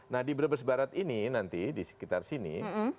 nah di brebes barat ini nanti di sekitar sini